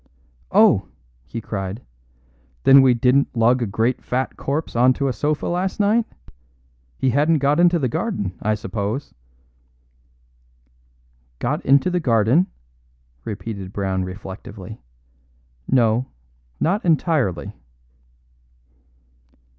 "Oh!" he cried; "then we didn't lug a great fat corpse on to a sofa last night? He hadn't got into the garden, I suppose?" "Got into the garden?" repeated Brown reflectively. "No, not entirely."